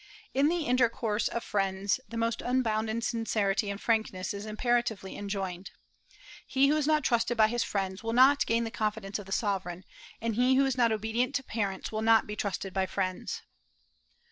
In the intercourse of friends, the most unbounded sincerity and frankness is imperatively enjoined. "He who is not trusted by his friends will not gain the confidence of the sovereign, and he who is not obedient to parents will not be trusted by friends."